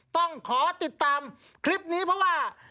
ต้องขอติดตามคลิปนี้เพราะว่า